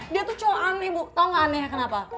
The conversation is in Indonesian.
dia tuh cowok aneh bu tau nggak aneh kenapa